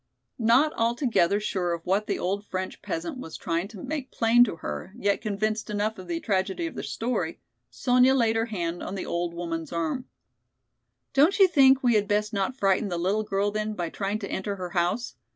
Not altogether sure of what the old French peasant was trying to make plain to her, yet convinced enough of the tragedy of the story, Sonya laid her hand on the old woman's arm. "Don't you think we had best not frighten the little girl then by trying to enter her house.